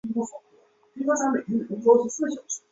背根神经节。